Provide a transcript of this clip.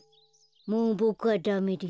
もうボクはダメです。